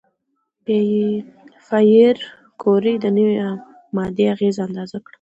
پېیر کوري د نوې ماده اغېزې اندازه کړه.